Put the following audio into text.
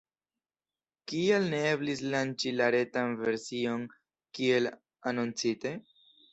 Kial ne eblis lanĉi la retan version kiel anoncite?